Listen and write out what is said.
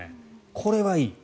これはいい。